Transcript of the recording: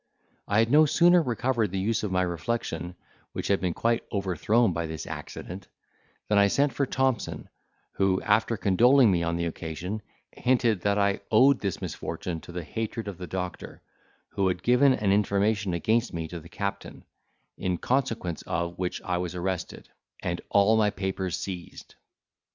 I had no sooner recovered the use of my reflection, which had been quite overthrown by this accident, than I sent for Thompson, who, after condoling me on the occasion, hinted, that I owed this misfortune to the hatred of the doctor, who had given an information against me to the captain, in consequence of which I was arrested, and all my papers seized.